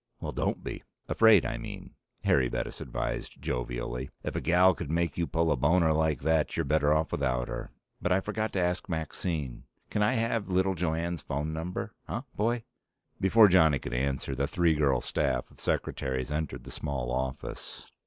"Well, don't be. Afraid, I mean," Harry Bettis advised jovially. "If the gal could make you pull a boner like that, you're better off without her. But I forgot to ask Maxine: can I have little Jo Anne's phone number? Huh, boy?" Before Johnny could answer, the three girl staff of secretaries entered the small office.